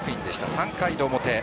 ３回の表。